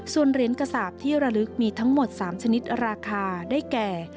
ส่วนเหรียญกระสาปที่ระลึกมีทั้งหมด๓ชนิดราคาได้แก่